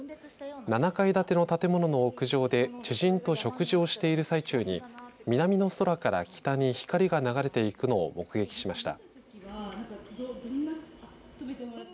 ７階建ての建物の屋上で知人と食事をしている最中に南の空から北に光が流れていくのを目撃しました。